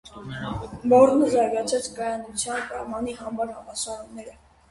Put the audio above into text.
Բոռնը զարգացրեց կայունության պայմանի համար հավասարումները։